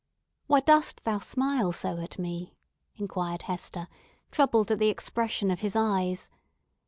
"Why dost thou smile so at me?" inquired Hester, troubled at the expression of his eyes.